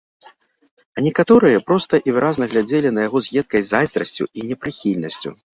А некаторыя проста і выразна глядзелі на яго з едкай зайздрасцю і непрыхільнасцю.